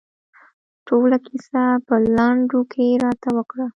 ټوله کیسه په لنډو کې راته وکړه.